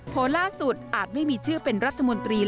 ล่าสุดอาจไม่มีชื่อเป็นรัฐมนตรี